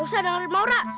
usah dengerin maura